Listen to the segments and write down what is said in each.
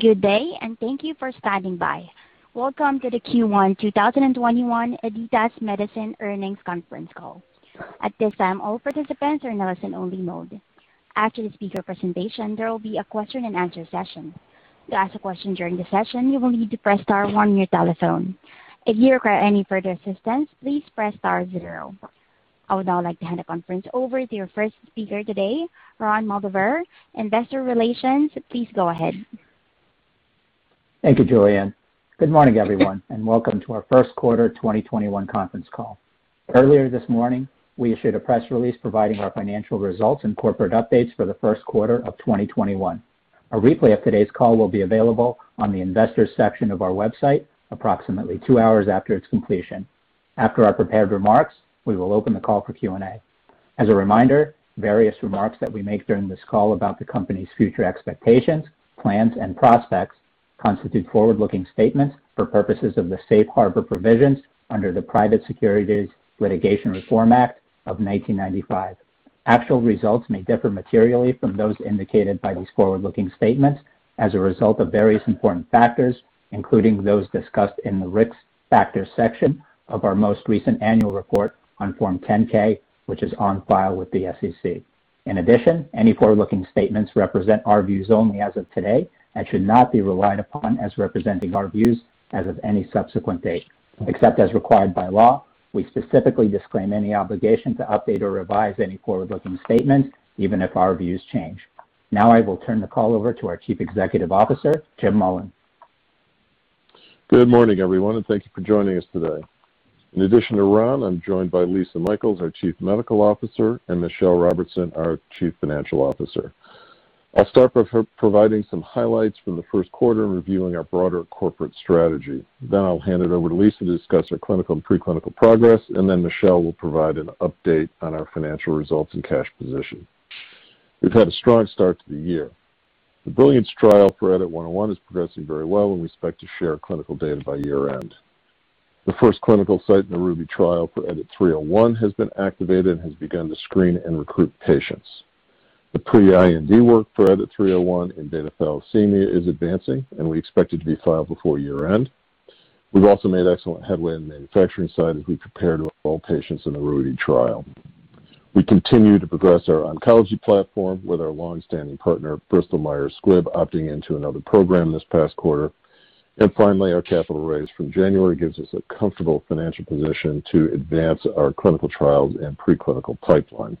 Good day and thank you for stopping by. Welcome to the Q1 2021 Editas Medicine Earnings Conference Call. At this time, all participants are in a listen-only mode. After the speaker presentation, there will be a question-and-answer session. To ask a question during the session, you will need to press star one on your telephone. If you require any further assistance, please press star zero. I would now like to hand the conference over to your first speaker today, Ron Moldaver, Investor Relations. Please go ahead. Thank you, Julian. Good morning, everyone, and welcome to our first quarter 2021 conference call. Earlier this morning, we issued a press release providing our financial results and corporate updates for the first quarter of 2021. A replay of today's call will be available on the investors section of our website approximately 2 hours after its completion. After our prepared remarks, we will open the call for Q&A. As a reminder, various remarks that we make during this call about the company's future expectations, plans, and prospects constitute forward-looking statements for purposes of the safe harbor provisions under the Private Securities Litigation Reform Act of 1995. Actual results may differ materially from those indicated by these forward-looking statements as a result of various important factors, including those discussed in the Risk Factors section of our most recent annual report on Form 10-K, which is on file with the SEC. In addition, any forward-looking statements represent our views only as of today and should not be relied upon as representing our views as of any subsequent date. Except as required by law, we specifically disclaim any obligation to update or revise any forward-looking statements, even if our views change. Now I will turn the call over to our Chief Executive Officer, James Mullen. Good morning, everyone, and thank you for joining us today. In addition to Ron, I'm joined by Lisa Michaels, our Chief Medical Officer, and Michelle Robertson, our Chief Financial Officer. I'll start by providing some highlights from the first quarter and reviewing our broader corporate strategy. I'll hand it over to Lisa to discuss our clinical and pre-clinical progress, and then Michelle will provide an update on our financial results and cash position. We've had a strong start to the year. The BRILLIANCE trial for EDIT-101 is progressing very well and we expect to share clinical data by year-end. The first clinical site in the RUBY trial for EDIT-301 has been activated and has begun to screen and recruit patients. The pre-IND work for EDIT-301 in beta thalassemia is advancing, and we expect it to be filed before year-end. We've also made excellent headway on the manufacturing side as we prepare to enroll patients in the RUBY trial. We continue to progress our oncology platform with our longstanding partner, Bristol Myers Squibb, opting into another program this past quarter. Finally, our capital raise from January gives us a comfortable financial position to advance our clinical trials and pre-clinical pipeline.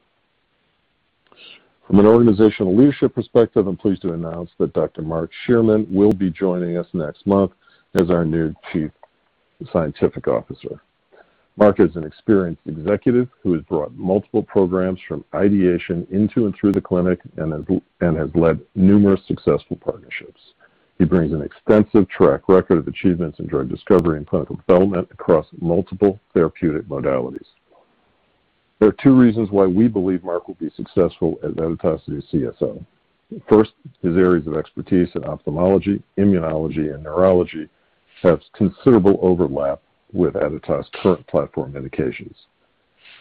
From an organizational leadership perspective, I'm pleased to announce that Dr. Mark Shearman will be joining us next month as our new Chief Scientific Officer. Mark is an experienced executive who has brought multiple programs from ideation into and through the clinic and has led numerous successful partnerships. He brings an extensive track record of achievements in drug discovery and clinical development across multiple therapeutic modalities. There are two reasons why we believe Mark will be successful as Editas' new CSO. First, his areas of expertise in ophthalmology, immunology, and neurology have considerable overlap with Editas' current platform indications.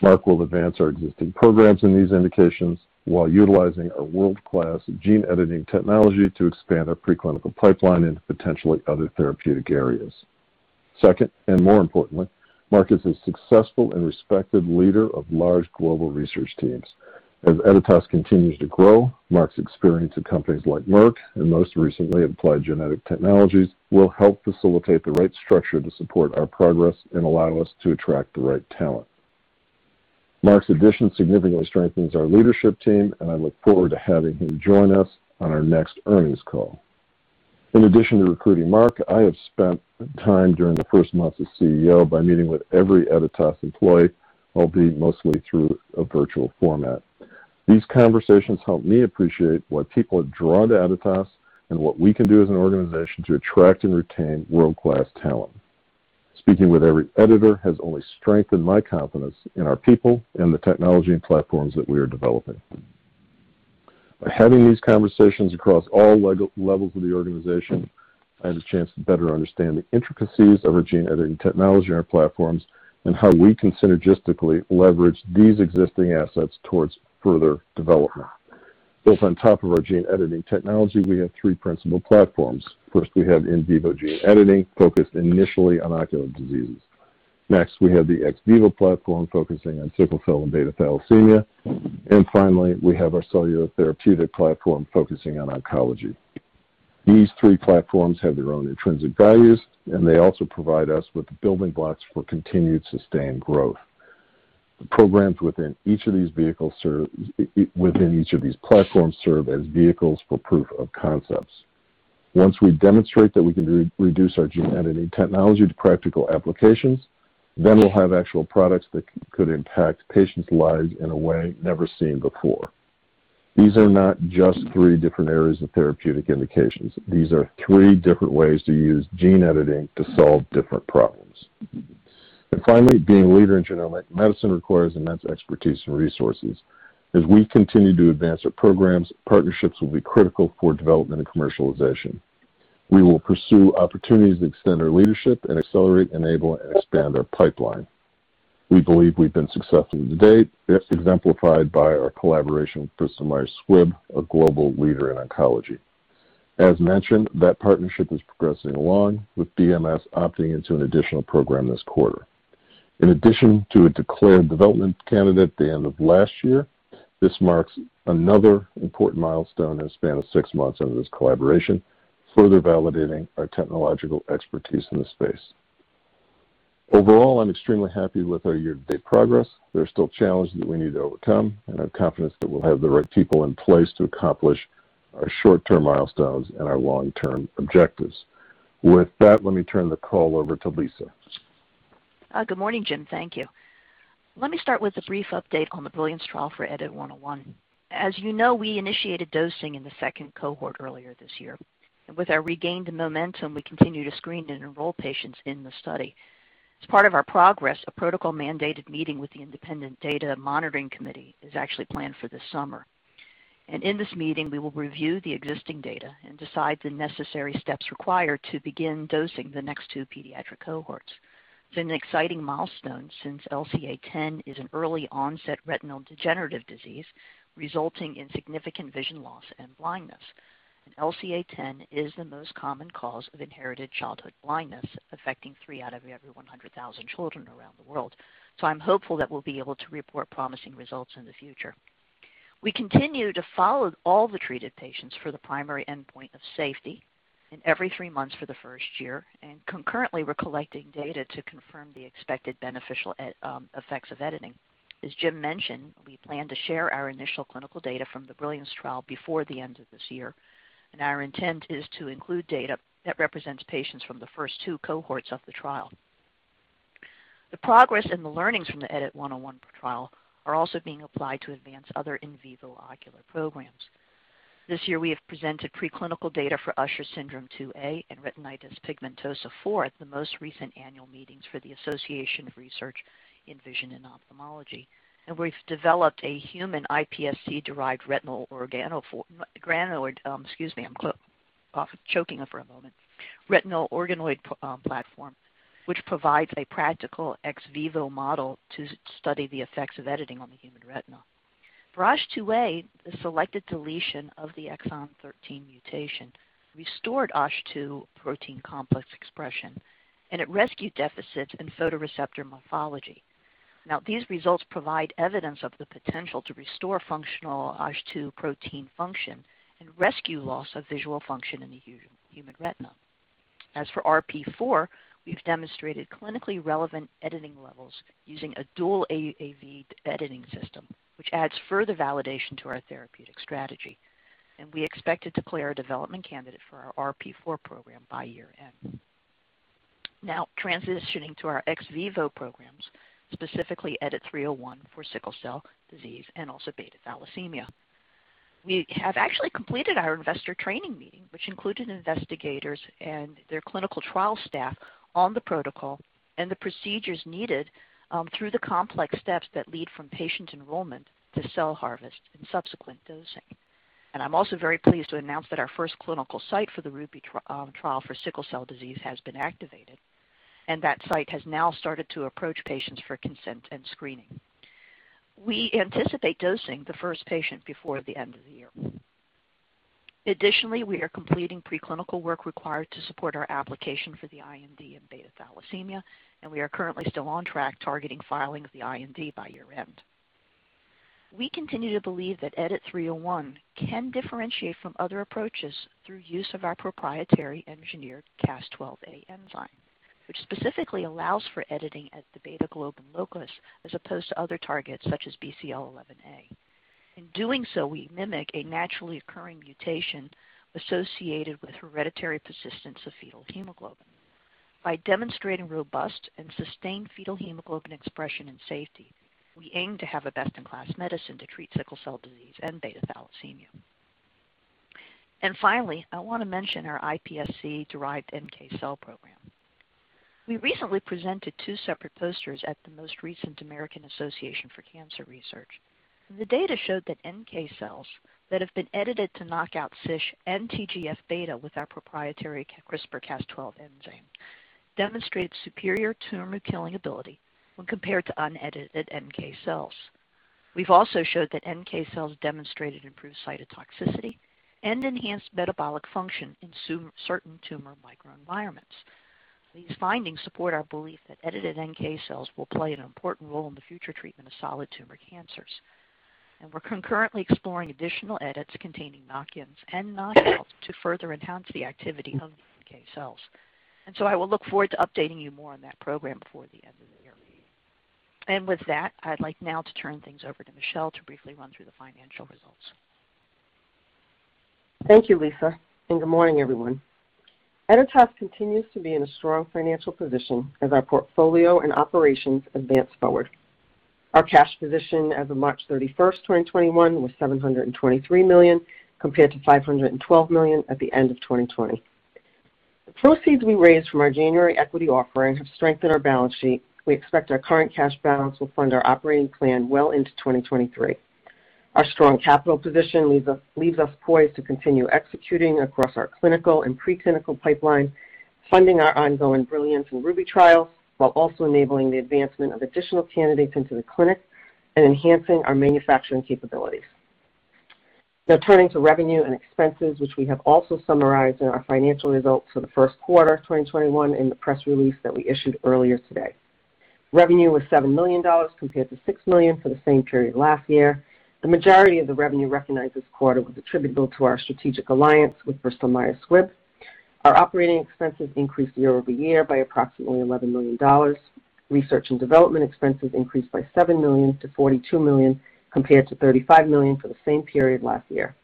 Mark will advance our existing programs in these indications while utilizing our world-class gene editing technology to expand our preclinical pipeline into potentially other therapeutic areas. Second, and more importantly, Mark is a successful and respected leader of large global research teams. As Editas continues to grow, Mark's experience at companies like Merck, and most recently Applied Genetic Technologies, will help facilitate the right structure to support our progress and allow us to attract the right talent. Mark's addition significantly strengthens our leadership team, and I look forward to having him join us on our next earnings call. In addition to recruiting Mark, I have spent time during the first month as CEO by meeting with every Editas employee, albeit mostly through a virtual format. These conversations helped me appreciate what people are drawn to Editas and what we can do as an organization to attract and retain world-class talent. Speaking with every editor has only strengthened my confidence in our people and the technology and platforms that we are developing. By having these conversations across all levels of the organization, I had a chance to better understand the intricacies of our gene editing technology and our platforms and how we can synergistically leverage these existing assets towards further development. Built on top of our gene editing technology, we have three principal platforms. First, we have in vivo gene editing, focused initially on ocular diseases. Next, we have the ex vivo platform focusing on sickle cell and beta thalassemia. Finally, we have our cellular therapeutic platform focusing on oncology. These three platforms have their own intrinsic values, and they also provide us with the building blocks for continued sustained growth. The programs within each of these platforms serve as vehicles for proof of concepts. Once we demonstrate that we can reduce our gene editing technology to practical applications, then we'll have actual products that could impact patients' lives in a way never seen before. These are not just three different areas of therapeutic indications. These are three different ways to use gene editing to solve different problems. Finally, being a leader in genomic medicine requires immense expertise and resources. As we continue to advance our programs, partnerships will be critical for development and commercialization. We will pursue opportunities to extend our leadership and accelerate, enable, and expand our pipeline. We believe we've been successful to date, exemplified by our collaboration with Bristol Myers Squibb, a global leader in oncology. As mentioned, that partnership is progressing along, with BMS opting into an additional program this quarter. In addition to a declared development candidate at the end of last year, this marks another important milestone in a span of 6 months under this collaboration, further validating our technological expertise in this space. Overall, I'm extremely happy with our year-to-date progress. I have confidence that we'll have the right people in place to accomplish our short-term milestones and our long-term objectives. With that, let me turn the call over to Lisa. Good morning, Jim. Thank you. Let me start with a brief update on the BRILLIANCE Trial for EDIT-101. As you know, we initiated dosing in the second cohort earlier this year. With our regained momentum, we continue to screen and enroll patients in the study. As part of our progress, a protocol-mandated meeting with the independent data monitoring committee is actually planned for this summer. In this meeting, we will review the existing data and decide the necessary steps required to begin dosing the next 2 pediatric cohorts. It's an exciting milestone since LCA10 is an early onset retinal degenerative disease, resulting in significant vision loss and blindness. LCA10 is the most common cause of inherited childhood blindness, affecting 3 out of every 100,000 children around the world. I'm hopeful that we'll be able to report promising results in the future. We continue to follow all the treated patients for the primary endpoint of safety in every three months for the first year. Concurrently, we're collecting data to confirm the expected beneficial effects of editing. As Jim mentioned, we plan to share our initial clinical data from the BRILLIANCE Trial before the end of this year, and our intent is to include data that represents patients from the first two cohorts of the trial. The progress and the learnings from the EDIT-101 trial are also being applied to advance other in vivo ocular programs. This year, we have presented preclinical data for Usher Syndrome 2A and retinitis pigmentosa 4 at the most recent annual meetings for the Association for Research in Vision and Ophthalmology. We've developed a human iPSC-derived retinal organoid platform, which provides a practical ex vivo model to study the effects of editing on the human retina. For USH2A, the selected deletion of the exon 13 mutation restored USH2 protein complex expression, and it rescued deficits in photoreceptor morphology. Now, these results provide evidence of the potential to restore functional USH2 protein function and rescue loss of visual function in the human retina. As for RP4, we've demonstrated clinically relevant editing levels using a dual AAV editing system, which adds further validation to our therapeutic strategy, and we expect to declare a development candidate for our RP4 program by year-end. Now transitioning to our ex vivo programs, specifically EDIT-301 for sickle cell disease and also beta thalassemia. We have actually completed our investor training meeting, which included investigators and their clinical trial staff on the protocol and the procedures needed through the complex steps that lead from patient enrollment to cell harvest and subsequent dosing. I'm also very pleased to announce that our first clinical site for the RUBY trial for sickle cell disease has been activated, and that site has now started to approach patients for consent and screening. We anticipate dosing the first patient before the end of the year. Additionally, we are completing preclinical work required to support our application for the IND in beta thalassemia, and we are currently still on track targeting filing of the IND by year-end. We continue to believe that EDIT-301 can differentiate from other approaches through use of our proprietary engineered Cas12a enzyme, which specifically allows for editing at the beta globin locus, as opposed to other targets such as BCL11A. In doing so, we mimic a naturally occurring mutation associated with hereditary persistence of fetal hemoglobin. By demonstrating robust and sustained fetal hemoglobin expression and safety, we aim to have a best-in-class medicine to treat sickle cell disease and beta thalassemia. Finally, I want to mention our iPSC-derived NK cell program. We recently presented two separate posters at the most recent American Association for Cancer Research. The data showed that NK cells that have been edited to knock out CISH and TGF-beta with our proprietary CRISPR-Cas12 enzyme demonstrate superior tumor-killing ability when compared to unedited NK cells. We've also showed that NK cells demonstrated improved cytotoxicity and enhanced metabolic function in certain tumor microenvironments. These findings support our belief that edited NK cells will play an important role in the future treatment of solid tumor cancers. We're concurrently exploring additional edits containing knock-ins and knockouts to further enhance the activity of the NK cells. I will look forward to updating you more on that program before the end of the year. I'd like now to turn things over to Michelle to briefly run through the financial results. Thank you, Lisa, and good morning, everyone. Editas continues to be in a strong financial position as our portfolio and operations advance forward. Our cash position as of March 31st, 2021, was $723 million, compared to $512 million at the end of 2020. The proceeds we raised from our January equity offering have strengthened our balance sheet. We expect our current cash balance will fund our operating plan well into 2023. Our strong capital position leaves us poised to continue executing across our clinical and pre-clinical pipeline, funding our ongoing BRILLIANCE and RUBY trials while also enabling the advancement of additional candidates into the clinic and enhancing our manufacturing capabilities. Turning to revenue and expenses, which we have also summarized in our financial results for the first quarter of 2021 in the press release that we issued earlier today. Revenue was $7 million, compared to $6 million for the same period last year. The majority of the revenue recognized this quarter was attributable to our strategic alliance with Bristol Myers Squibb. Our operating expenses increased year-over-year by approximately $11 million. Research and development expenses increased by $7 million to $42 million compared to $35 million for the same period last year.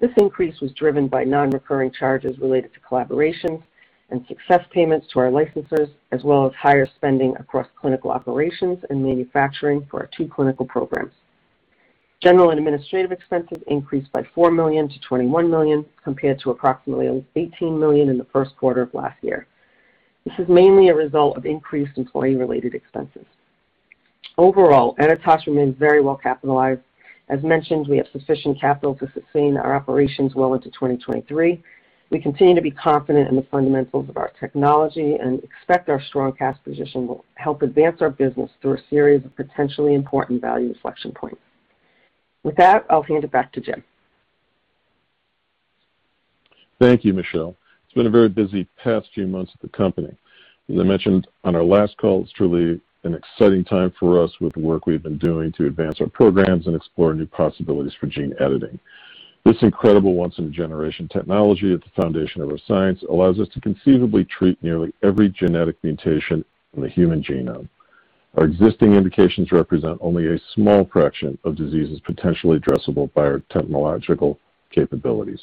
This increase was driven by non-recurring charges related to collaborations and success payments to our licensors, as well as higher spending across clinical operations and manufacturing for our 2 clinical programs. General and administrative expenses increased by $4 million to $21 million compared to approximately $18 million in the first quarter of last year. This is mainly a result of increased employee-related expenses. Overall, Editas remains very well capitalized. As mentioned, we have sufficient capital to sustain our operations well into 2023. We continue to be confident in the fundamentals of our technology and expect our strong cash position will help advance our business through a series of potentially important value inflection points. With that, I'll hand it back to Jim. Thank you, Michelle. It's been a very busy past few months at the company. As I mentioned on our last call, it's truly an exciting time for us with the work we've been doing to advance our programs and explore new possibilities for gene editing. This incredible once-in-a-generation technology at the foundation of our science allows us to conceivably treat nearly every genetic mutation in the human genome. Our existing indications represent only a small fraction of diseases potentially addressable by our technological capabilities.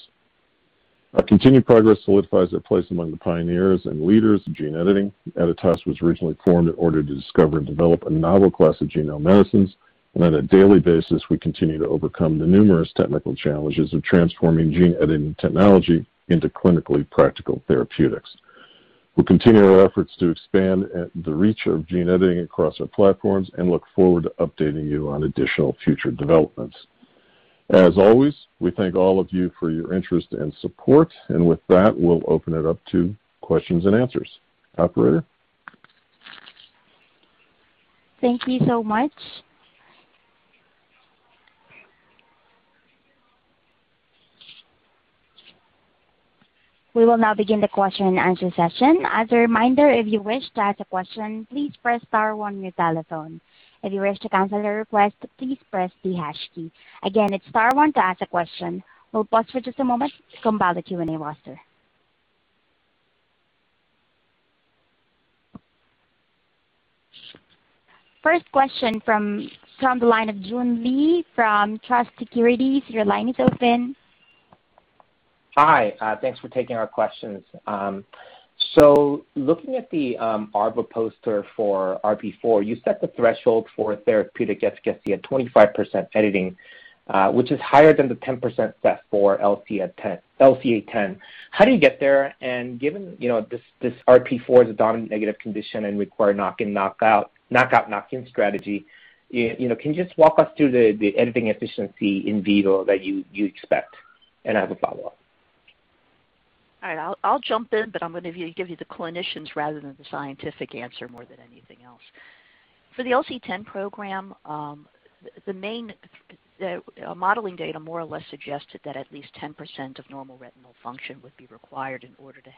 Our continued progress solidifies our place among the pioneers and leaders in gene editing. Editas was originally formed in order to discover and develop a novel class of genome medicines, and on a daily basis, we continue to overcome the numerous technical challenges of transforming gene editing technology into clinically practical therapeutics. We'll continue our efforts to expand the reach of gene editing across our platforms and look forward to updating you on additional future developments. As always, we thank all of you for your interest and support. With that, we'll open it up to questions and answers. Operator? Thank you so much. We will now begin the question and answer session. As a reminder, if you wish to ask a question, please press star one on your telephone. If you wish to cancel your request, please press the hash key. Again, it's star one to ask a question. We'll pause for just a moment to compile the Q&A roster. First question from the line of Joon Lee from Truist Securities, your line is open. Hi. Thanks for taking our questions. Looking at the ARVO poster for RP4, you set the threshold for therapeutic effect to gets 25% editing, which is higher than the 10% set for LCA10. How do you get there? Given this RP4 is a dominant negative condition and require knockout/knockin strategy, can you just walk us through the editing efficiency in vivo that you expect? I have a follow-up. All right. I'll jump in. I'm going to give you the clinicians rather than the scientific answer more than anything else. For the LCA10 program, the modeling data more or less suggested that at least 10% of normal retinal function would be required in order to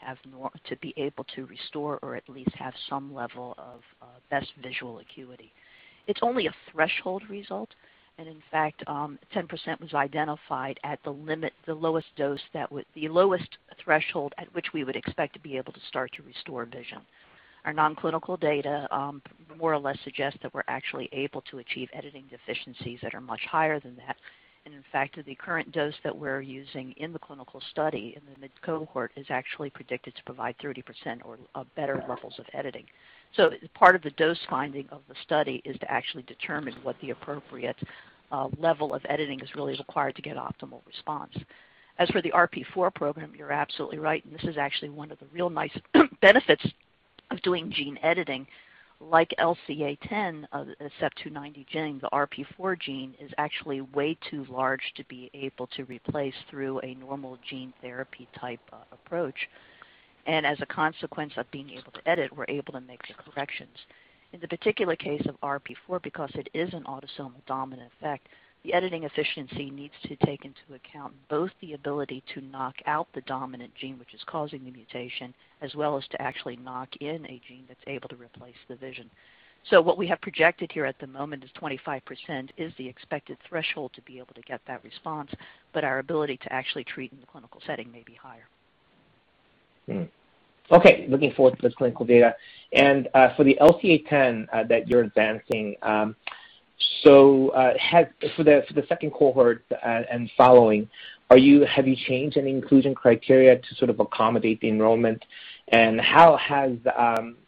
be able to restore or at least have some level of best visual acuity. It's only a threshold result. In fact, 10% was identified at the lowest threshold at which we would expect to be able to start to restore vision. Our non-clinical data more or less suggests that we're actually able to achieve editing eficiencies that are much higher than that. In fact, the current dose that we're using in the clinical study in the mid-dose cohort is actually predicted to provide 30% or better levels of editing. Part of the dose finding of the study is to actually determine what the appropriate level of editing is really required to get optimal response. As for the RP4 program, you're absolutely right, and this is actually one of the real nice benefits of doing gene editing. Like LCA10, CEP290 gene, the RP4 gene is actually way too large to be able to replace through a normal gene therapy type approach. As a consequence of being able to edit, we're able to make the corrections. In the particular case of RP4, because it is an autosomal dominant effect, the editing efficiency needs to take into account both the ability to knock out the dominant gene, which is causing the mutation, as well as to actually knock in a gene that's able to replace the vision. What we have projected here at the moment is 25% is the expected threshold to be able to get that response, but our ability to actually treat in the clinical setting may be higher. Looking forward to this clinical data. For the LCA10 that you're advancing, for the second cohort and following, have you changed any inclusion criteria to sort of accommodate the enrollment? How has the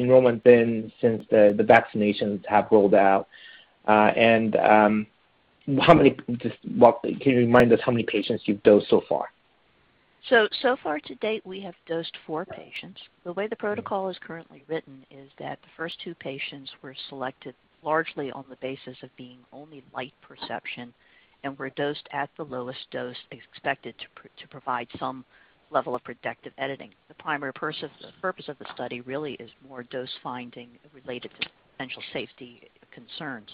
enrollment been since the vaccinations have rolled out? Can you remind us how many patients you've dosed so far? Far to date, we have dosed four patients. The way the protocol is currently written is that the first two patients were selected largely on the basis of being only light perception and were dosed at the lowest dose expected to provide some level of protective editing. The primary purpose of the study really is more dose finding related to potential safety concerns.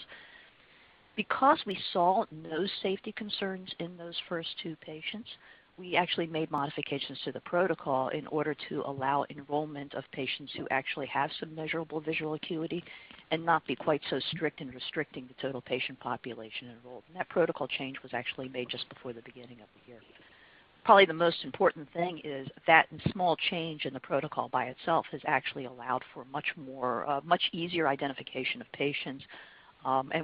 Because we saw no safety concerns in those first two patients, we actually made modifications to the protocol in order to allow enrollment of patients who actually have some measurable visual acuity and not be quite so strict in restricting the total patient population enrolled. That protocol change was actually made just before the beginning of the year. Probably the most important thing is that small change in the protocol by itself has actually allowed for much easier identification of patients.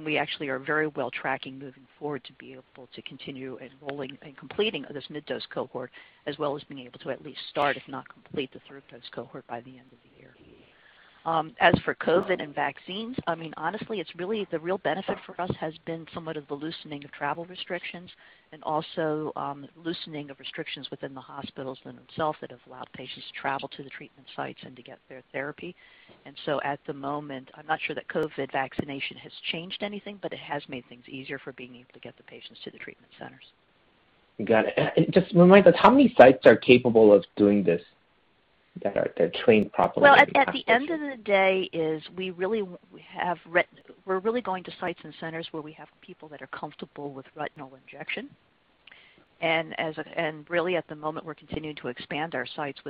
We actually are very well tracking moving forward to be able to continue enrolling and completing this mid-dose cohort, as well as being able to at least start, if not complete, the third dose cohort by the end of the year. As for COVID and vaccines, honestly, the real benefit for us has been somewhat of the loosening of travel restrictions and also loosening of restrictions within the hospitals themselves that have allowed patients to travel to the treatment sites and to get their therapy. At the moment, I'm not sure that COVID vaccination has changed anything, but it has made things easier for being able to get the patients to the treatment centers. Got it. Just remind us, how many sites are capable of doing this, that are trained properly and comfortable? Well, at the end of the day is we're really going to sites and centers where we have people that are comfortable with retinal injection. Really at the moment, we're continuing to expand our sites.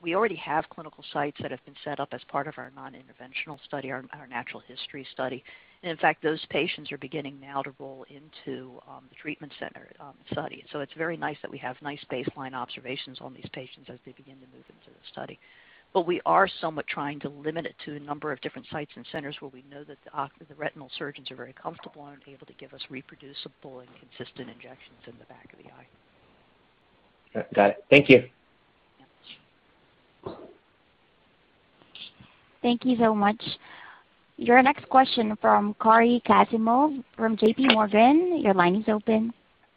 We already have clinical sites that have been set up as part of our non-interventional study, our natural history study. In fact, those patients are beginning now to roll into the treatment center study. It's very nice that we have nice baseline observations on these patients as they begin to move into the study. We are somewhat trying to limit it to a number of different sites and centers where we know that the retinal surgeons are very comfortable and able to give us reproducible and consistent injections in the back of the eye. Got it. Thank you. Yeah. Thank you so much. Your next question from Cory Kasimov from JPMorgan. Your line is open.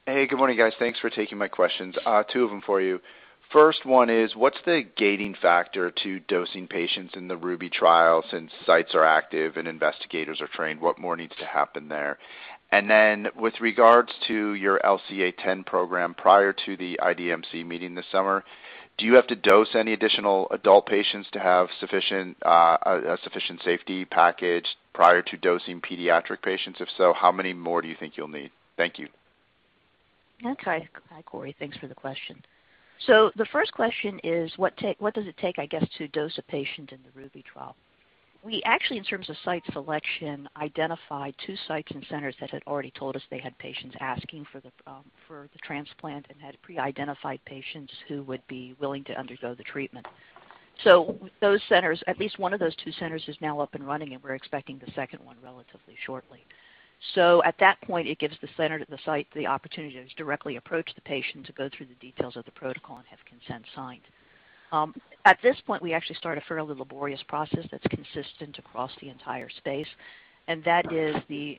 Hey, good morning, guys. Thanks for taking my questions. Two of them for you. First one is, what's the gating factor to dosing patients in the RUBY trial since sites are active and investigators are trained? What more needs to happen there? With regards to your LCA10 program prior to the IDMC meeting this summer, do you have to dose any additional adult patients to have a sufficient safety package prior to dosing pediatric patients? If so, how many more do you think you'll need? Thank you. Okay. Hi, Cory. Thanks for the question. The first question is what does it take, I guess, to dose a patient in the RUBY trial? We actually, in terms of site selection, identified two sites and centers that had already told us they had patients asking for the transplant and had pre-identified patients who would be willing to undergo the treatment. Those centers, at least one of those two centers is now up and running, and we're expecting the second one relatively shortly. At that point, it gives the center, the site, the opportunity to directly approach the patient to go through the details of the protocol and have consent signed. At this point, we actually start a fairly laborious process that's consistent across the entire space, and that is the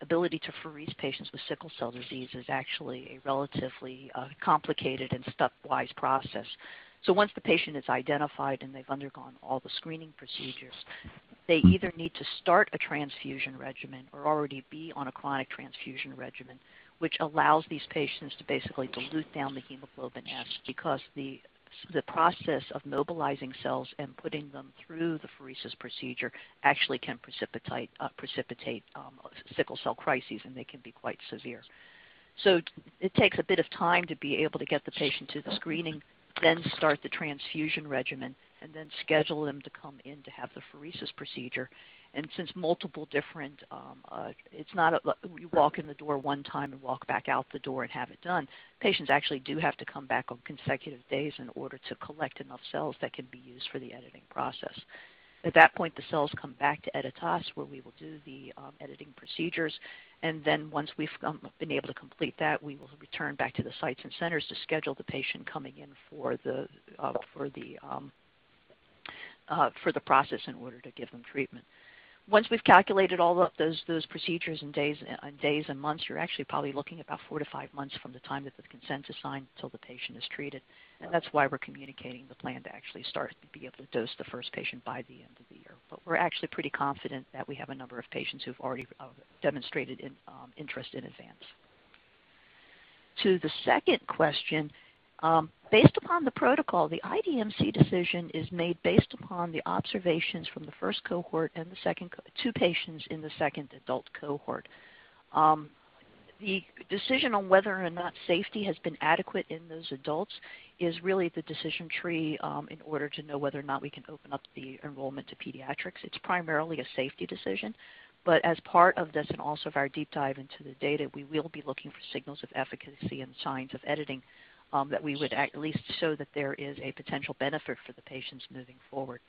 ability to apheresing patients with sickle cell disease is actually a relatively complicated and step-wise process. Once the patient is identified and they've undergone all the screening procedures, they either need to start a transfusion regimen or already be on a chronic transfusion regimen, which allows these patients to basically dilute down the hemoglobin S because the process of mobilizing cells and putting them through the pheresis procedure actually can precipitate sickle cell crises, and they can be quite severe. It takes a bit of time to be able to get the patient through the screening, then start the transfusion regimen, and then schedule them to come in to have the pheresis procedure. Since multiple It's not you walk in the door one time and walk back out the door and have it done. Patients actually do have to come back on consecutive days in order to collect enough cells that can be used for the editing process. At that point, the cells come back to Editas, where we will do the editing procedures, then once we've been able to complete that, we will return back to the sites and centers to schedule the patient coming in for the process in order to give them treatment. Once we've calculated all those procedures and days and months, you're actually probably looking about 4 to 5 months from the time that the consent is signed until the patient is treated. That's why we're communicating the plan to actually start to be able to dose the first patient by the end of the year. We're actually pretty confident that we have a number of patients who've already demonstrated interest in advance. To the second question. Based upon the protocol, the IDMC decision is made based upon the observations from the first cohort and the two patients in the second adult cohort. The decision on whether or not safety has been adequate in those adults is really the decision tree in order to know whether or not we can open up the enrollment to pediatrics. It's primarily a safety decision. As part of this and also of our deep dive into the data, we will be looking for signals of efficacy and signs of editing that we would at least show that there is a potential benefit for the patients moving forward.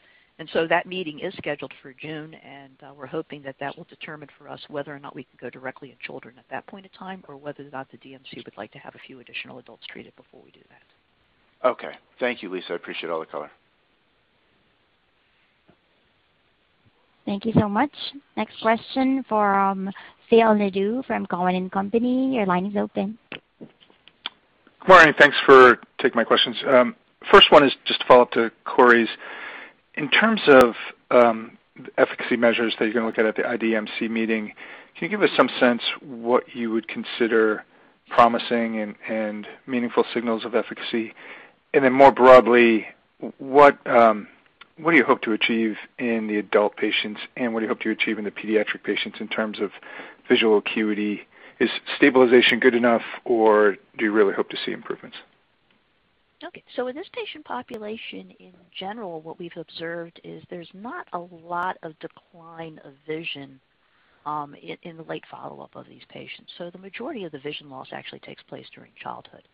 That meeting is scheduled for June, and we're hoping that that will determine for us whether or not we can go directly in children at that point in time or whether or not the DMC would like to have a few additional adults treated before we do that. Okay. Thank you, Lisa. I appreciate all the color. Thank you so much. Next question from Phil Nadeau from Cowen and Company. Your line is open. Good morning, thanks for taking my questions. First one is just a follow-up to Cory's. In terms of the efficacy measures that you're going to look at the IDMC meeting, can you give us some sense what you would consider promising and meaningful signals of efficacy? Then more broadly, what do you hope to achieve in the adult patients, and what do you hope to achieve in the pediatric patients in terms of visual acuity? Is stabilization good enough, or do you really hope to see improvements? In this patient population, in general, what we've observed is there's not a lot of decline of vision in the late follow-up of these patients. The majority of the vision loss actually takes place during childhood.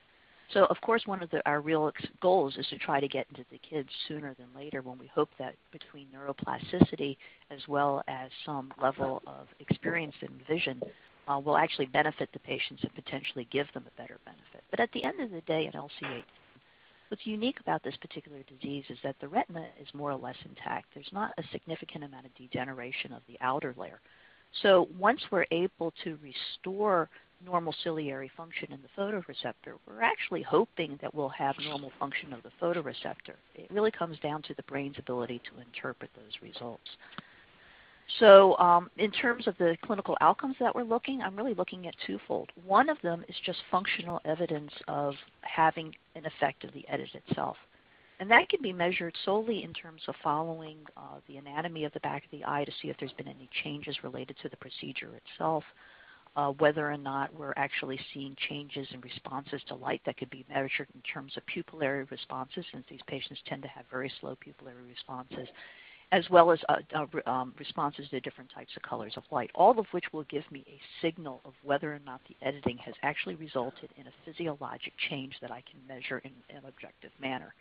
Of course, one of our real goals is to try to get into the kids sooner than later when we hope that between neuroplasticity as well as some level of experience and vision, will actually benefit the patients and potentially give them a better benefit. At the end of the day, in LCA10, what's unique about this particular disease is that the retina is more or less intact. There's not a significant amount of degeneration of the outer layer. Once we're able to restore normal ciliary function in the photoreceptor, we're actually hoping that we'll have normal function of the photoreceptor. It really comes down to the brain's ability to interpret those results. In terms of the clinical outcomes that we're looking, I'm really looking at 2x. One of them is just functional evidence of having an effect of the edits itself. That can be measured solely in terms of following the anatomy of the back of the eye to see if there's been any changes related to the procedure itself, whether or not we're actually seeing changes in responses to light that could be measured in terms of pupillary responses, since these patients tend to have very slow pupillary responses, as well as responses to different types of colors of light. All of which will give me a signal of whether or not the editing has actually resulted in a physiologic change that I can measure in an objective manner.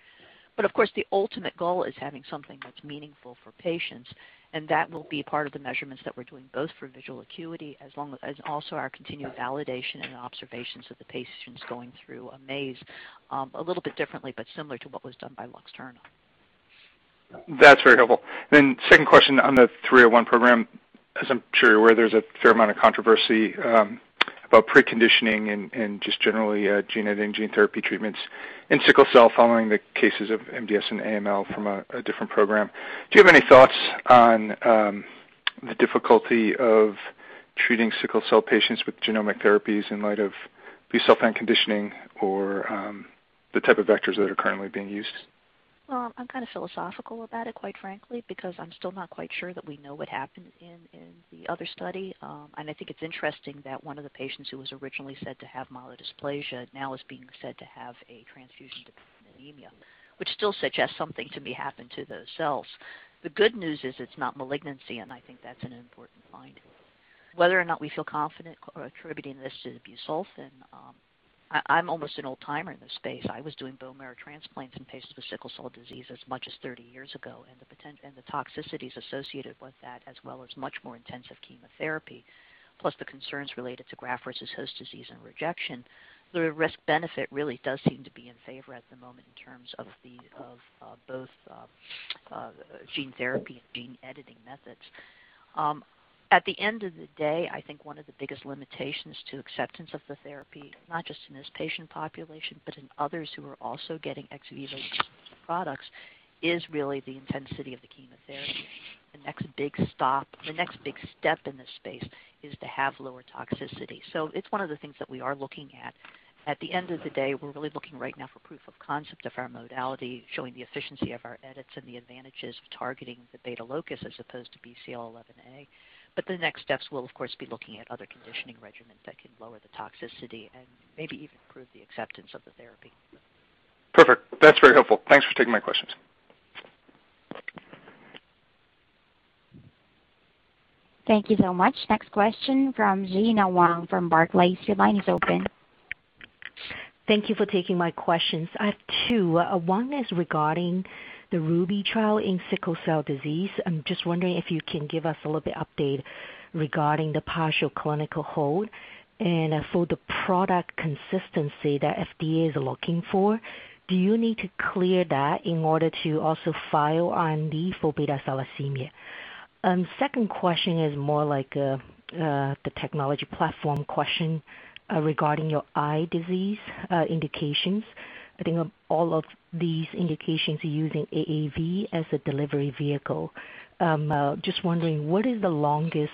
Of course, the ultimate goal is having something that's meaningful for patients, and that will be part of the measurements that we're doing, both for visual acuity as also our continued validation and observations of the patients going through a maze, a little bit differently, but similar to what was done by LUXTURNA. That's very helpful. Second question on the EDIT-301 program, as I'm sure you're aware, there's a fair amount of controversy about preconditioning and just generally gene editing, gene therapy treatments in sickle cell following the cases of MDS and AML from a different program. Do you have any thoughts on the difficulty of treating sickle cell patients with genomic therapies in light of busulfan conditioning or the type of vectors that are currently being used? Well, I'm kind of philosophical about it, quite frankly, because I'm still not quite sure that we know what happened in the other study. I think it's interesting that one of the patients who was originally said to have myelodysplasia now is being said to have a transfusion-dependent anemia, which still suggests something to be happened to those cells. The good news is it's not malignancy, and I think that's an important finding. Whether or not we feel confident attributing this to the busulfan, I'm almost an old-timer in this space. I was doing bone marrow transplants in patients with sickle cell disease as much as 30 years ago, and the toxicities associated with that, as well as much more intensive chemotherapy, plus the concerns related to graft versus host disease and rejection. The risk-benefit really does seem to be in favor at the moment in terms of both gene therapy and gene editing methods. At the end of the day, I think one of the biggest limitations to acceptance of the therapy, not just in this patient population, but in others who are also getting ex vivo products, is really the intensity of the chemotherapy. The next big step in this space is to have lower toxicity. It's one of the things that we are looking at. At the end of the day, we're really looking right now for proof of concept of our modality, showing the efficiency of our edits and the advantages of targeting the beta locus as opposed to BCL11A. The next steps will, of course, be looking at other conditioning regimens that can lower the toxicity and maybe even improve the acceptance of the therapy. Perfect. That's very helpful. Thanks for taking my questions. Thank you so much. Next question from Gena Wang from Barclays. Your line is open. Thank you for taking my questions. I have two. One is regarding the RUBY trial in sickle cell disease. I'm just wondering if you can give us a little bit update regarding the partial clinical hold, and for the product consistency that FDA is looking for, do you need to clear that in order to also file IND for beta thalassemia? Second question is more like the technology platform question regarding your eye disease indications. I think all of these indications are using AAV as a delivery vehicle. Just wondering, what is the longest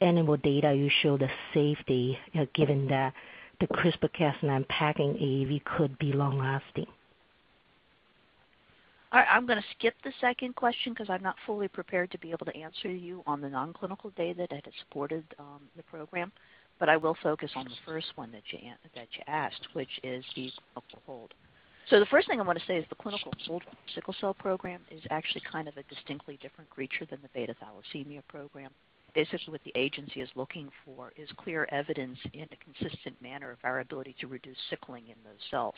animal data you show the safety, given that the CRISPR-Cas9 packing AAV could be long-lasting? All right. I'm going to skip the second question because I'm not fully prepared to be able to answer you on the non-clinical data that has supported the program. I will focus on the first one that you asked, which is the clinical hold. The first thing I want to say is the clinical hold on the sickle cell program is actually kind of a distinctly different creature than the beta thalassemia program. Basically, what the agency is looking for is clear evidence in a consistent manner of our ability to reduce sickling in those cells.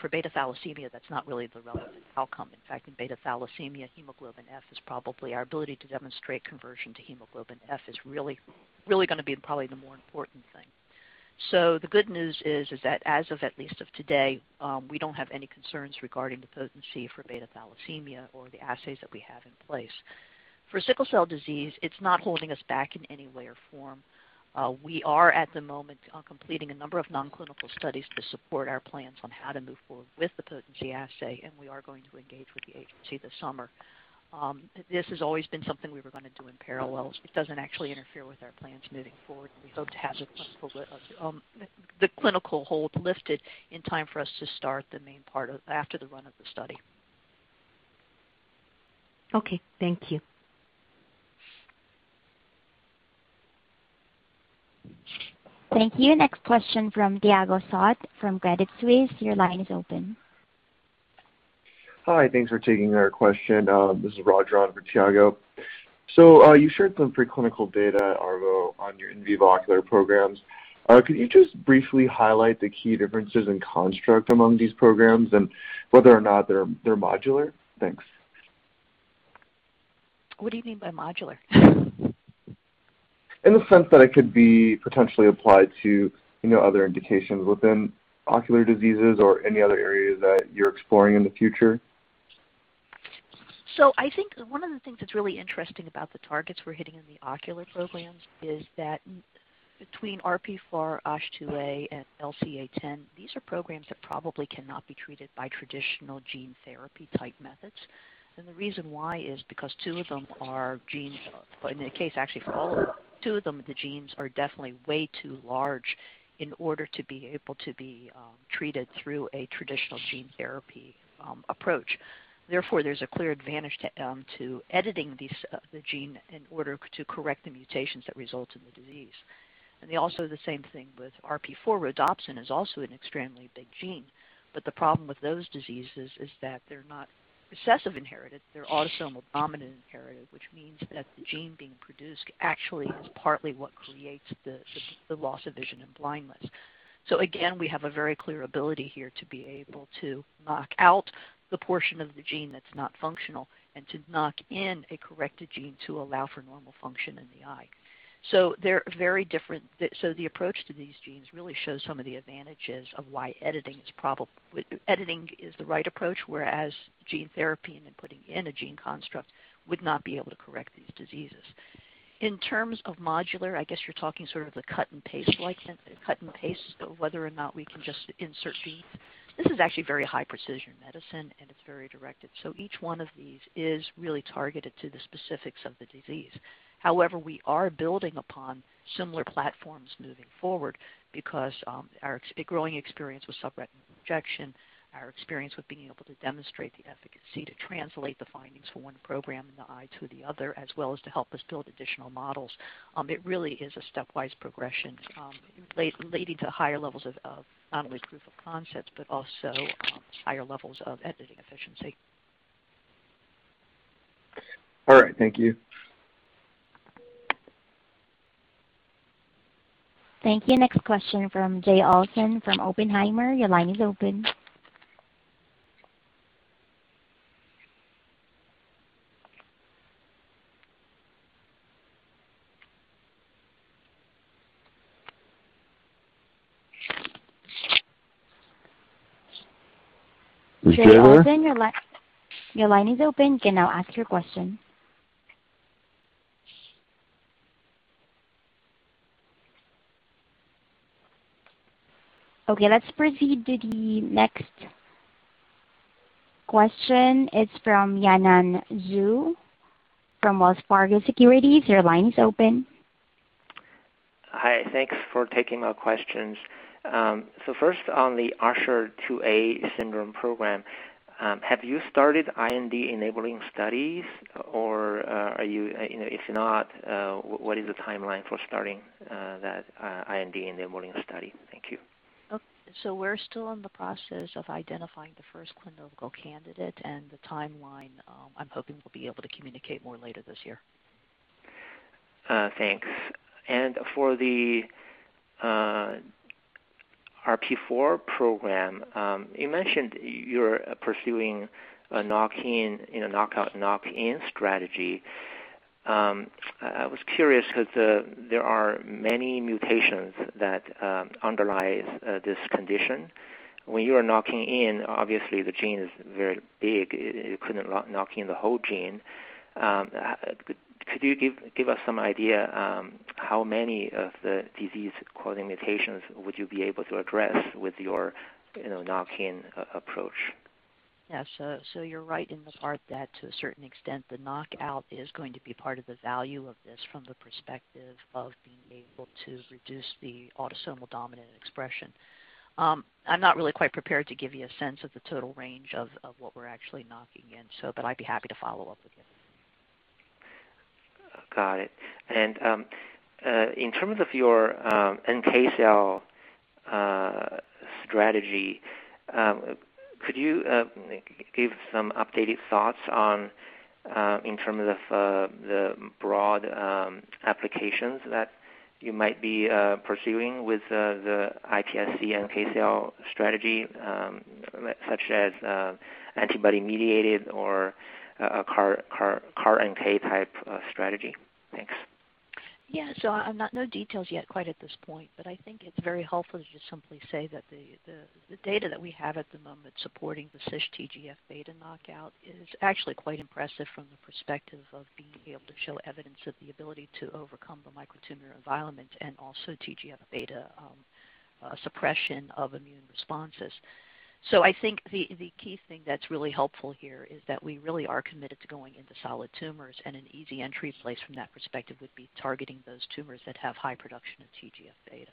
For beta thalassemia, that's not really the relevant outcome. In fact, in beta thalassemia, hemoglobin F is probably our ability to demonstrate conversion to hemoglobin F is really going to be probably the more important thing. The good news is that as of at least today, we don't have any concerns regarding the potency for beta thalassemia or the assays that we have in place. For sickle cell disease, it's not holding us back in any way or form. We are, at the moment, completing a number of non-clinical studies to support our plans on how to move forward with the potency assay, and we are going to engage with the FDA this summer. This has always been something we were going to do in parallel. It doesn't actually interfere with our plans moving forward. We hope to have the clinical hold lifted in time for us to start the main part after the run of the study. Okay, thank you. Thank you. Next question from Tiago Faccioni from Credit Suisse. Your line is open. Hi, thanks for taking our question. This is Rajan for Tiago. You shared some preclinical data, ARVO, on your in vivo ocular programs. Could you just briefly highlight the key differences in construct among these programs and whether or not they're modular? Thanks. What do you mean by modular? In the sense that it could be potentially applied to other indications within ocular diseases or any other areas that you're exploring in the future. I think one of the things that's really interesting about the targets we're hitting in the ocular programs is that between RP4, USH2A, and LCA10, these are programs that probably cannot be treated by traditional gene therapy type methods. The reason why is because two of them are genes, in the case actually for all of them, two of them, the genes are definitely way too large in order to be able to be treated through a traditional gene therapy approach. Therefore, there's a clear advantage to editing the gene in order to correct the mutations that result in the disease. Also, the same thing with RP4 rhodopsin is also an extremely big gene. The problem with those diseases is that they're not recessive inherited, they're autosomal dominant inherited, which means that the gene being produced actually is partly what creates the loss of vision and blindness. Again, we have a very clear ability here to be able to knock out the portion of the gene that's not functional and to knock in a corrected gene to allow for normal function in the eye. They're very different. The approach to these genes really shows some of the advantages of why editing is the right approach, whereas gene therapy and then putting in a gene construct would not be able to correct these diseases. In terms of modular, I guess you're talking sort of the cut-and-paste, like cut and paste, so whether or not we can just insert genes. This is actually very high-precision medicine, and it's very directed. Each one of these is really targeted to the specifics of the disease. However, we are building upon similar platforms moving forward because our growing experience with subretinal injection, our experience with being able to demonstrate the efficacy to translate the findings for one program in the eye to the other, as well as to help us build additional models. It really is a stepwise progression leading to higher levels of proof of concepts, but also higher levels of editing efficiency. All right. Thank you. Thank you. Next question from Jay Olson from Oppenheimer. Your line is open. Is Jay there? Jay Olson, your line is open. You can now ask your question. Okay, let's proceed to the next question. It's from Yanan Zhu from Wells Fargo Securities. Your line is open. Hi, thanks for taking our questions. First on the USH2A syndrome program, have you started IND-enabling studies or if not, what is the timeline for starting that IND-enabling study? Thank you. We're still in the process of identifying the first clinical candidate and the timeline. I'm hoping we'll be able to communicate more later this year. Thanks. For the RP4 program, you mentioned you're pursuing a knockout-knock in strategy. I was curious because there are many mutations that underlie this condition. When you are knocking in, obviously the gene is very big. You couldn't knock in the whole gene. Could you give us some idea how many of the disease-causing mutations would you be able to address with your knock-in approach? Yeah. You're right in the part that to a certain extent, the knockout is going to be part of the value of this from the perspective of being able to reduce the autosomal dominant expression. I'm not really quite prepared to give you a sense of the total range of what we're actually knocking in. I'd be happy to follow up with you. Got it. In terms of your NK cell strategy, could you give some updated thoughts in terms of the broad applications that you might be pursuing with the iPSC NK cell strategy, such as antibody-mediated or a CAR-NK type strategy? Thanks. Yeah. I have no details yet quite at this point, but I think it's very helpful to just simply say that the data that we have at the moment supporting the CiISHTGF-beta knockout is actually quite impressive from the perspective of being able to show evidence of the ability to overcome the micro tumor environment and also TGF-beta suppression of immune responses. I think the key thing that's really helpful here is that we really are committed to going into solid tumors, and an easy entry place from that perspective would be targeting those tumors that have high production of TGF-beta.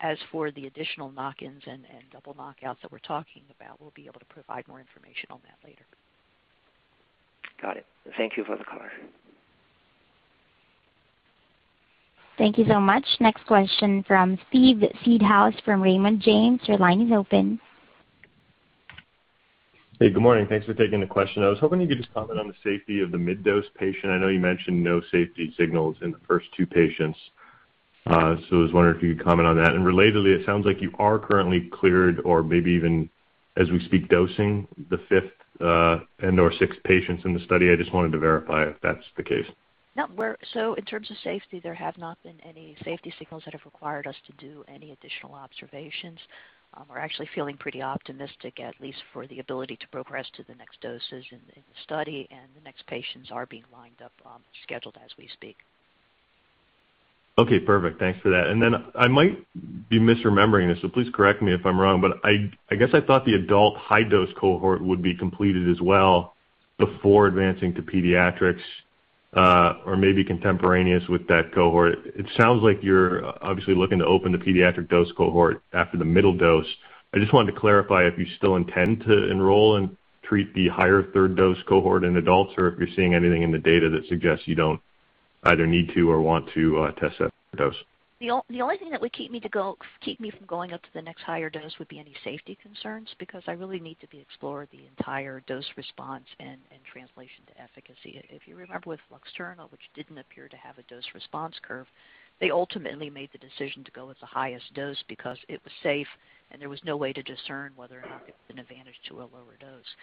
As for the additional knock-ins and double knockouts that we're talking about, we'll be able to provide more information on that later. Got it. Thank you for the color. Thank you so much. Next question from Steve Seedhouse from Raymond James. Your line is open. Hey, good morning. Thanks for taking the question. I was hoping you could just comment on the safety of the mid-dose patient. I know you mentioned no safety signals in the first two patients. I was wondering if you could comment on that. Relatedly, it sounds like you are currently cleared or maybe even as we speak, dosing the fifth, and/or sixth patients in the study. I just wanted to verify if that's the case? No. In terms of safety, there have not been any safety signals that have required us to do any additional observations. We're actually feeling pretty optimistic, at least for the ability to progress to the next dosage in the study, and the next patients are being lined up, scheduled as we speak. Okay, perfect. Thanks for that. I might be misremembering this, so please correct me if I'm wrong, but I guess I thought the adult high-dose cohort would be completed as well before advancing to pediatrics, or maybe contemporaneous with that cohort. It sounds like you're obviously looking to open the pediatric dose cohort after the mid-dose. I just wanted to clarify if you still intend to enroll and treat the higher third dose cohort in adults, or if you're seeing anything in the data that suggests you don't either need to or want to test that dose. The only thing that would keep me from going up to the next higher dose would be any safety concerns, because I really need to explore the entire dose response and translation to efficacy. If you remember with LUXTURNA, which didn't appear to have a dose response curve, they ultimately made the decision to go with the highest dose because it was safe and there was no way to discern whether or not it was an advantage to a lower dose.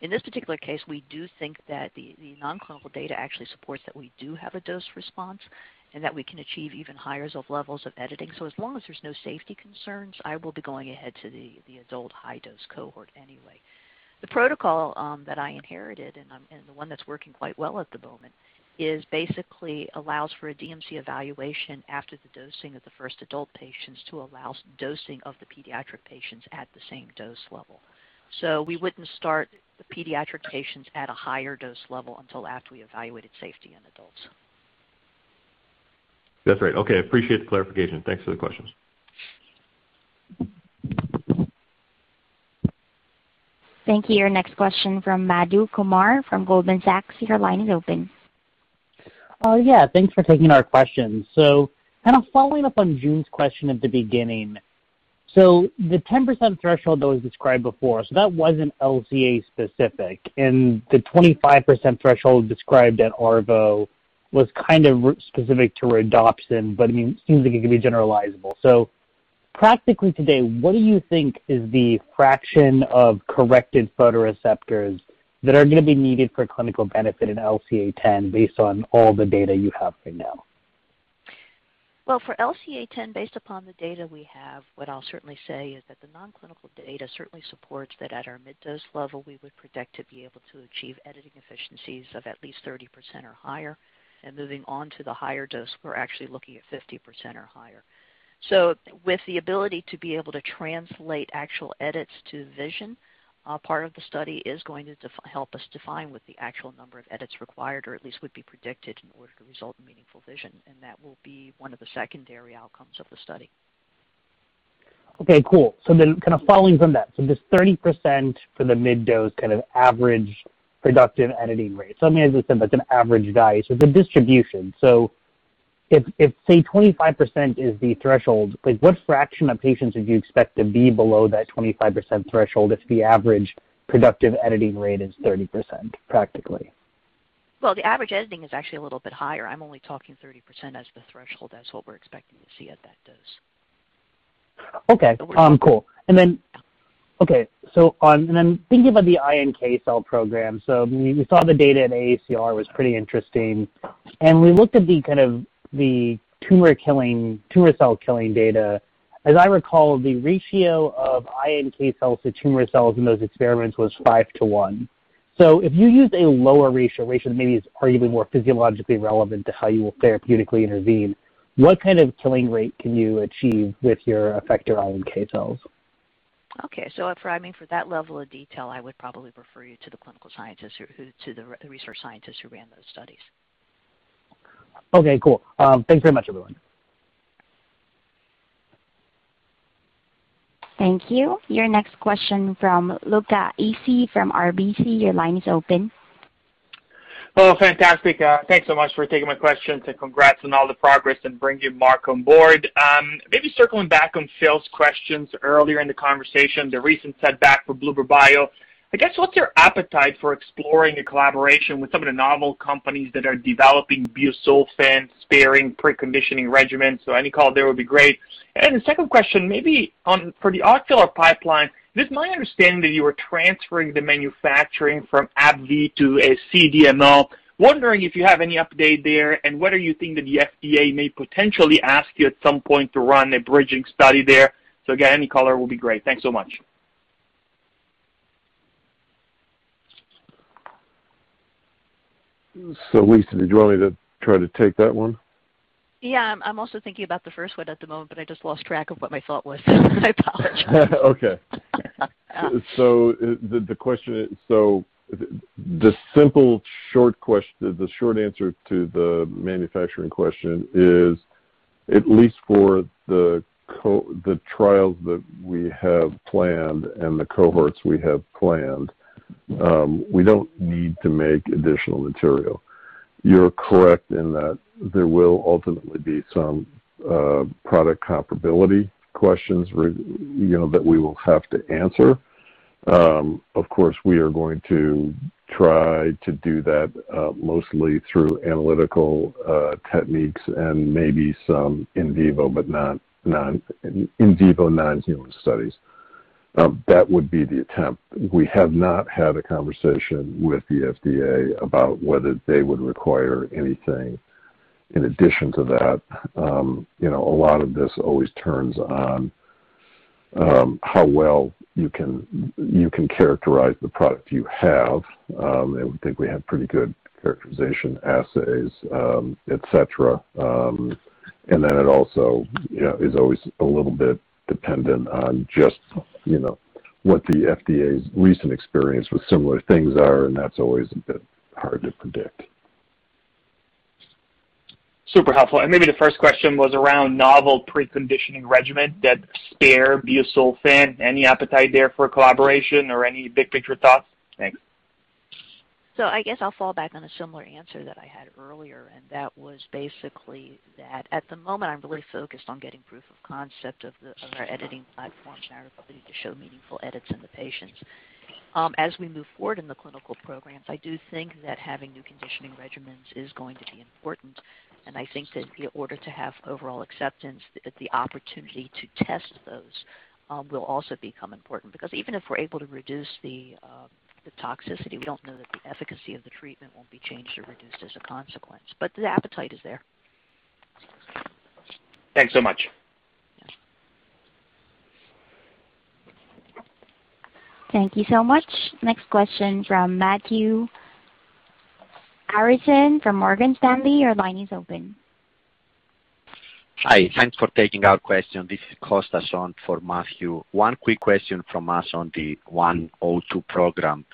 In this particular case, we do think that the non-clinical data actually supports that we do have a dose response and that we can achieve even higher levels of editing. As long as there's no safety concerns, I will be going ahead to the adult high-dose cohort anyway. The protocol that I inherited, and the one that's working quite well at the moment, is basically allows for a DMC evaluation after the dosing of the first adult patients to allow dosing of the pediatric patients at the same dose level. We wouldn't start the pediatric patients at a higher dose level until after we evaluated safety in adults. That's right. Okay, appreciate the clarification. Thanks for the questions. Thank you. Your next question from Madhu Kumar from Goldman Sachs. Your line is open. Yeah. Thanks for taking our question. Kind of following up on Joon's question at the beginning. The 10% threshold that was described before, so that wasn't LCA10 specific, and the 25% threshold described at ARVO was kind of specific to rhodopsin, but it seems like it could be generalizable. Practically today, what do you think is the fraction of corrected photoreceptors that are going to be needed for clinical benefit in LCA10 based on all the data you have right now? Well, for LCA10, based upon the data we have, what I'll certainly say is that the non-clinical data certainly supports that at our mid-dose level, we would predict to be able to achieve editing efficiencies of at least 30% or higher. Moving on to the higher dose, we're actually looking at 50% or higher. With the ability to be able to translate actual edits to vision, part of the study is going to help us define what the actual number of edits required or at least would be predicted in order to result in meaningful vision, and that will be one of the secondary outcomes of the study. Okay, cool. Following from that, this 30% for the mid-dose average productive editing rate. I'm going to assume that's an average value. The distribution, if 25% is the threshold, what fraction of patients would you expect to be below that 25% threshold if the average productive editing rate is 30%, practically? Well, the average editing is actually a little bit higher. I'm only talking 30% as the threshold. That's what we're expecting to see at that dose. Okay. Cool. Then, okay, thinking about the NK cell program, we saw the data at AACR was pretty interesting. We looked at the tumor cell killing data. As I recall, the ratio of NK cells to tumor cells in those experiments was 5 to 1. If you used a lower ratio, maybe it's even more physiologically relevant to how you will therapeutically intervene, what kind of killing rate can you achieve with your effector NK cells? Okay. For that level of detail, I would probably refer you to the clinical scientists or to the research scientists who ran those studies. Okay, cool. Thanks very much, everyone. Thank you. Your next question from Luca Issi from RBC. Your line is open. Oh, fantastic. Thanks so much for taking my questions, and congrats on all the progress and bringing Mark on board. Maybe circling back on Phil's questions earlier in the conversation, the recent setback for bluebird bio. I guess, what's your appetite for exploring a collaboration with some of the novel companies that are developing busulfan-sparing preconditioning regimens? Any call there would be great. The second question, maybe for the ocular pipeline, just my understanding that you are transferring the manufacturing from AbbVie to a CDMO. Wondering if you have any update there, and whether you think that the FDA may potentially ask you at some point to run a bridging study there? Again, any color will be great. Thanks so much. Lisa, did you want me to try to take that one? Yeah. I'm also thinking about the first one at the moment, but I just lost track of what my thought was. I apologize. Okay. The short answer to the manufacturing question is, at least for the trials that we have planned and the cohorts we have planned, we don't need to make additional material. You're correct in that there will ultimately be some product comparability questions that we will have to answer. Of course, we are going to try to do that mostly through analytical techniques and maybe some in vivo, non-human studies. That would be the attempt. We have not had a conversation with the FDA about whether they would require anything in addition to that. A lot of this always turns on how well you can characterize the product you have, and we think we have pretty good characterization assays, et cetera. It also is always a little bit dependent on just what the FDA's recent experience with similar things are, and that's always a bit hard to predict. Super helpful. Maybe the first question was around novel preconditioning regimen that spare busulfan. Any appetite there for collaboration or any big picture thoughts? Thanks. I guess I'll fall back on a similar answer that I had earlier, and that was basically that at the moment, I'm really focused on getting proof of concept of our editing platforms and our ability to show meaningful edits in the patients. As we move forward in the clinical programs, I do think that having new conditioning regimens is going to be important, and I think that in order to have overall acceptance, the opportunity to test those will also become important. Even if we're able to reduce the toxicity, we don't know that the efficacy of the treatment won't be changed or reduced as a consequence. The appetite is there. Thanks so much. Yeah. Thank you so much. Next question from Matthew Harrison from Morgan Stanley. Your line is open. Hi. Thanks for taking our question. This is Costa Sean for Matthew. One quick question from us on the EDIT-102 program.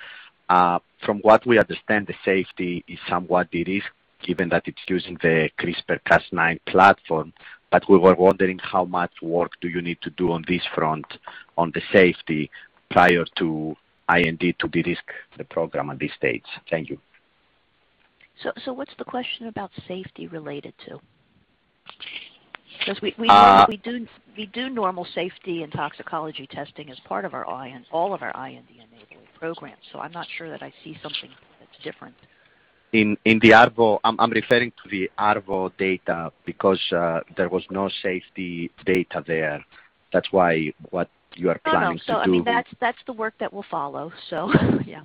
From what we understand, the safety is somewhat de-risked given that it's using the CRISPR-Cas9 platform, but we were wondering how much work do you need to do on this front on the safety prior to IND to de-risk the program at this stage? Thank you. What's the question about safety related to? We do normal safety and toxicology testing as part of all of our IND-enabling programs, so I'm not sure that I see something that's different. I'm referring to the ARVO data because there was no safety data there. That's why what you are planning to do. No, no. That's the work that will follow. Yeah.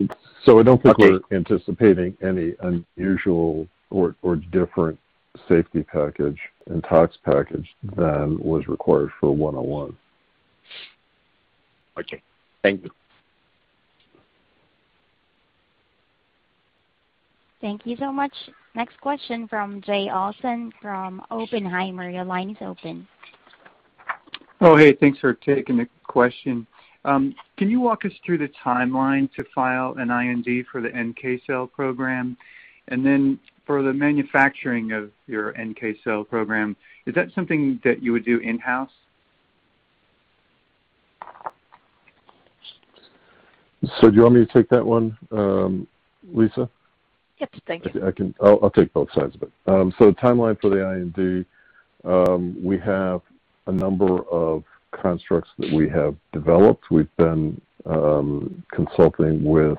Okay. I don't think we're anticipating any unusual or different safety package and tox package than was required for 101. Okay. Thank you. Thank you so much. Next question from Jay Olson from Oppenheimer. Your line is open. Oh, hey, thanks for taking the question. Can you walk us through the timeline to file an IND for the NK cell program? Then for the manufacturing of your NK cell program, is that something that you would do in-house? Do you want me to take that one, Lisa? Just take it. I'll take both sides of it. Timeline for the IND, we have a number of constructs that we have developed. We've been consulting with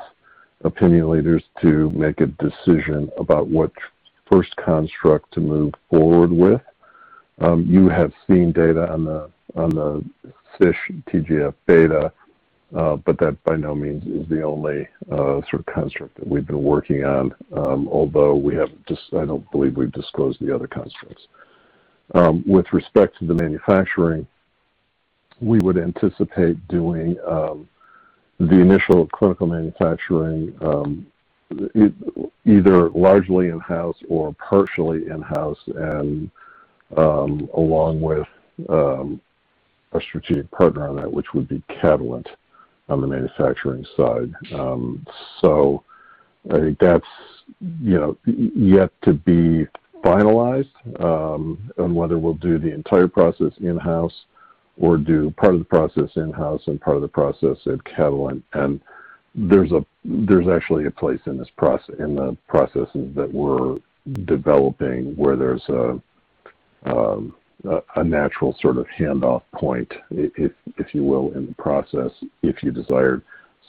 opinion leaders to make a decision about what first construct to move forward with. You have seen data on the CISH TGF-beta, but that by no means is the only sort of construct that we've been working on. I don't believe we've disclosed the other constructs. With respect to the manufacturing, we would anticipate doing the initial clinical manufacturing either largely in-house or partially in-house and along with a strategic partner on that, which would be Catalent on the manufacturing side. I think that's yet to be finalized on whether we'll do the entire process in-house or do part of the process in-house and part of the process at Catalent. There's actually a place in the processes that we're developing where there's a natural sort of handoff point, if you will, in the process, if you desire.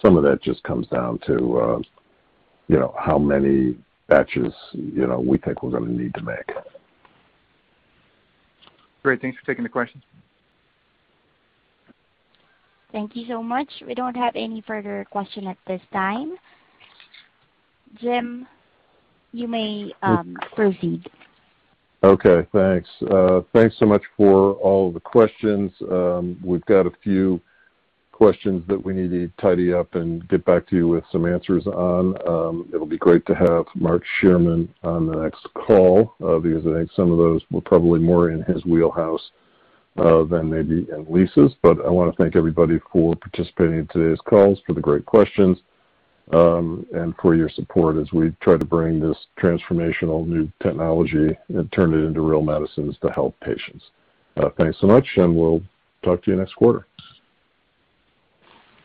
Some of that just comes down to how many batches we think we're going to need to make. Great. Thanks for taking the question. Thank you so much. We don't have any further question at this time. Jim, you may proceed. Okay. Thanks. Thanks so much for all of the questions. We've got a few questions that we need to tidy up and get back to you with some answers on. It'll be great to have Mark Shearman on the next call because I think some of those were probably more in his wheelhouse than maybe in Lisa's. I want to thank everybody for participating in today's calls, for the great questions, and for your support as we try to bring this transformational new technology and turn it into real medicines to help patients. Thanks so much, and we'll talk to you next quarter.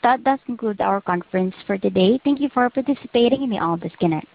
That does conclude our conference for today. Thank you for participating. You may all disconnect.